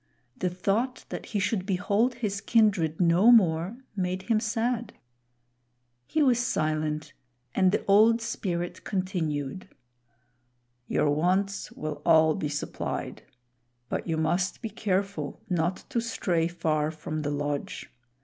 The thought that he should behold his kindred no more made him sad. He was silent, and the Old Spirit continued: "Your wants will all be supplied; but you must be careful not to stray far from the lodge.